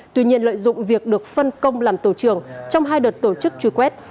tuy nhiên lợi dụng việc được phân công làm tổ trưởng trong hai đợt tổ chức truy quét